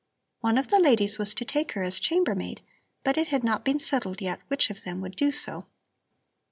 One of the ladies was to take her as chambermaid, but it had not been settled yet which of them would do so.